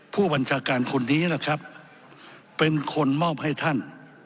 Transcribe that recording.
ผู้บัญชาการคนนี้นะครับเป็นคนมอบให้ท่าน